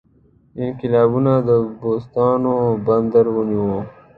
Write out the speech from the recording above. انقلابیانو د بوستون بندر ونیو.